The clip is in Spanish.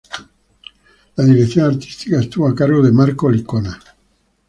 La dirección artística estuvo a cargo de Marco Licona.